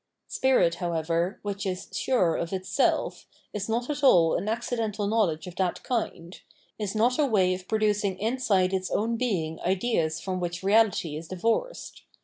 Spirit, however, which is sure of its self, is not at all an accidental knowledge of that kind, is not a way of producing inside its own being ideas from which reality is divorced.